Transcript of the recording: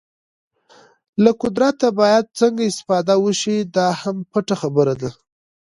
له قدرته باید څنګه استفاده وشي دا هم پټه خبره ده.